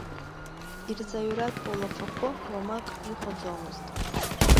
Ирҵаҩратә уалафахәы уамак ихәаӡомызт.